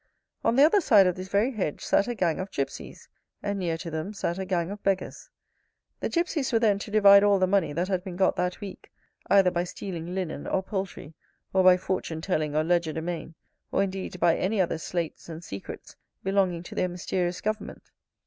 On the other side of this very hedge sat a gang of gypsies; and near to them sat a gang of beggars. The gypsies were then to divide all the money that had been got that week, either by stealing linen or poultry, or by fortune telling or legerdemain, or, indeed, by any other sleights and secrets belonging to their mysterious government.